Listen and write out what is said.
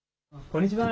こんにちは。